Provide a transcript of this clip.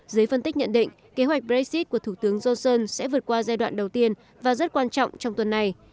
giới phân tích nhận định kế hoạch brexit của thủ tướng johnson sẽ vượt qua giai đoạn đầu tiên và rất quan trọng trong tuần này